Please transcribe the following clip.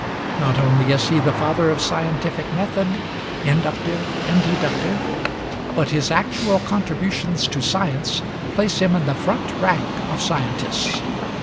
Not only is he the father of scientific method, inductive and deductive, but his actual contributions to science place him in the front rank of scientists.